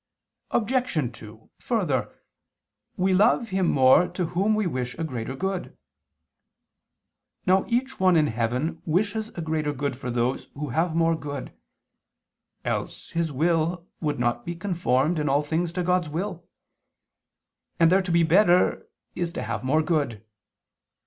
Obj. 2: Further, we love more him to whom we wish a greater good. Now each one in heaven wishes a greater good for those who have more good, else his will would not be conformed in all things to God's will: and there to be better is to have more good.